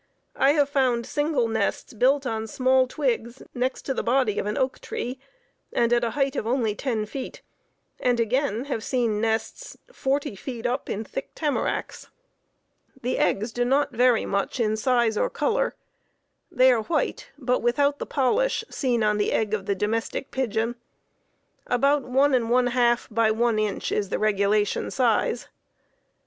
I have found single nests built on small twigs next the body of an oak tree, and at a height of only ten feet, and again have seen nests forty feet up in thick tamaracks. The eggs do not vary much in size or color. They are white, but without the polish seen on the egg of the domestic pigeon. About one and one half by one inch is the regulation size.